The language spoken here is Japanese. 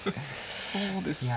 そうですね